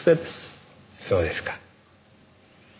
そうですか。